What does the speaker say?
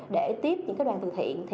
để tiếp những đoàn từ thiện